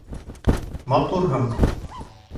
- Матурһың!